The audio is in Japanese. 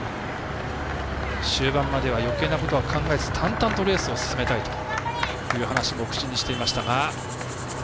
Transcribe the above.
終盤まではよけいなことは考えず淡々とレースを進めたいと話も口にしていましたが。